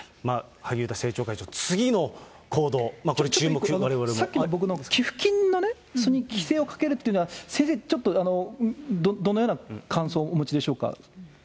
萩生田政調会長、次の行動、さっきの僕の、寄付金に規制をかけるというのは、先生ちょっと、どのような感想お持ちでしょうか。